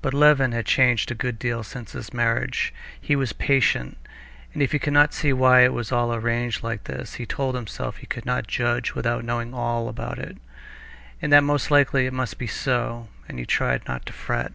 But Levin had changed a good deal since his marriage; he was patient, and if he could not see why it was all arranged like this, he told himself that he could not judge without knowing all about it, and that most likely it must be so, and he tried not to fret.